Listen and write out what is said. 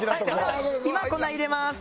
今粉入れます。